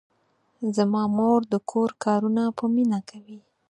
زما مور د کور کارونه په مینه کوي.